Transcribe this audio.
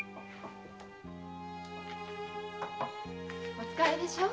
お疲れでしょう。